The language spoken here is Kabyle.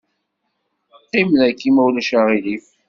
Qqim daki ma ulac aɣilif.